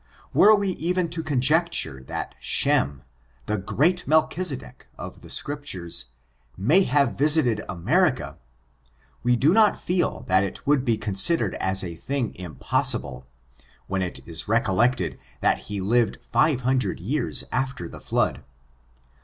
Were we even to conjecture that Shern^ the great Mdchisedek of the Scriptures, may have visited America; we do not feel that it could be considered as a thing impossible, when it is recollected that he lived five hundred years after the flood.